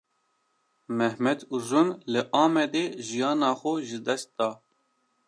Mehmet Uzun, li Amedê jiyana xwe ji dest da